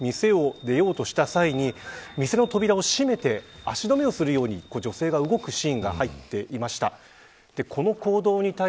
容疑者が店を出ようとした際に店の扉を閉めて足止めをするように女性が動くシーンが入っていました。